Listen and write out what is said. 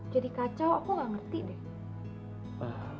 jadi kacau aku gak ngerti deh